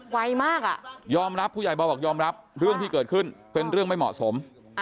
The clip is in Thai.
ไวมากอ่ะยอมรับผู้ใหญ่บอกยอมรับเรื่องที่เกิดขึ้นเป็นเรื่องไม่เหมาะสม